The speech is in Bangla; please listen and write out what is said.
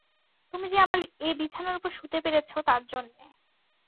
তুমি যে আমার এ বিছানার উপরে শুতে পেরেছ তার জন্যে।